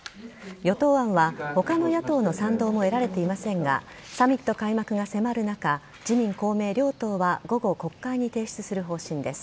与党案は、他の野党の賛同を得られていませんがサミット開幕が迫る中自民公明両党は午後、国会に提出する方針です。